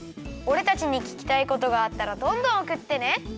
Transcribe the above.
おれたちにききたいことがあったらどんどんおくってね！